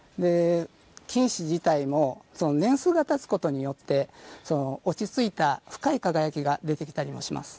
金糸自体も年数がたつことによって落ち着いた深い輝きが出てきたりもします。